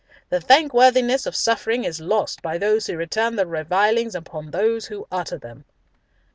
"The thankworthiness of suffering is lost by those who return the revilings upon those who utter them."